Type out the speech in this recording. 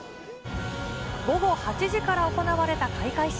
午後８時から行われた開会式。